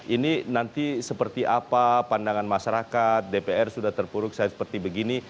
ini nanti seperti apa pandangan masyarakat dpr sudah terpuruk saya seperti begini